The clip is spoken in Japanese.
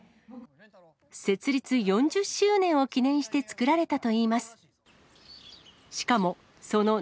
設立４０周年を記念して作られたといいます。